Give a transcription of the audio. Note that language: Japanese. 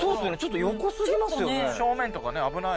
正面とかね危ない。